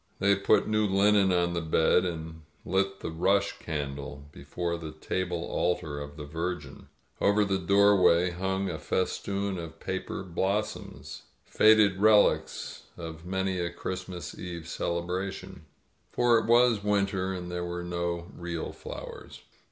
They had put new linen on the bed, and lit the rush candle 107 INSURGENT MEXICO before the table altar of the Virgin, Over the doorway hung a festoon of paper blossoms, faded relics of many a Christmas Eve celebration — for it was winter, and there were no real flowers.